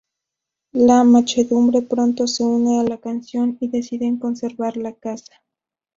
La muchedumbre pronto se une a la canción y deciden conservar la casa.